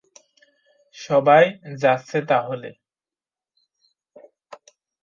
সবাই যাচ্ছে তাহলে!